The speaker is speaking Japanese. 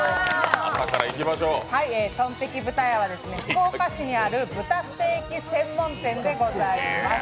とんテキ豚屋は福岡市にある豚ステーキ専門店でございます。